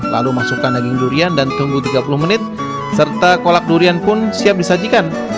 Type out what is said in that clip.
lalu masukkan daging durian dan tunggu tiga puluh menit serta kolak durian pun siap disajikan